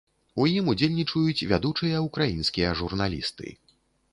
У ім удзельнічаюць вядучыя ўкраінскія журналісты.